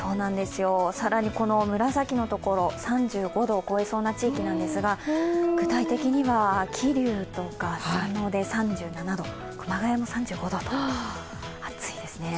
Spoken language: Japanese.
更にこの紫のところ、３５度を超えそうな地域なんですが具体的には桐生とか佐野で３７度、熊谷も３５度と暑いですね。